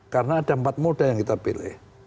karena ada empat moda yang kita pilih